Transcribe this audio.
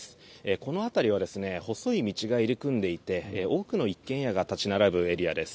この辺りは細い道が入り組んでいて多くの一軒家が立ち並ぶエリアです。